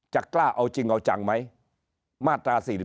กล้าเอาจริงเอาจังไหมมาตรา๔๔